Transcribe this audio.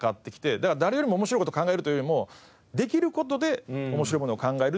だから誰よりも面白い事を考えるというよりもできる事で面白いものを考えるっていう。